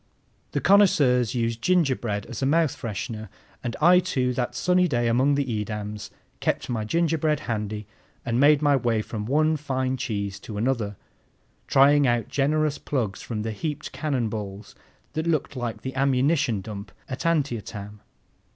The connoisseurs use gingerbread as a mouth freshener; and I, too, that sunny day among the Edams, kept my gingerbread handy and made my way from one fine cheese to another, trying out generous plugs from the heaped cannon balls that looked like the ammunition dump at Antietam.